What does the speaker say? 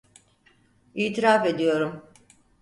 İtiraf ediyorum.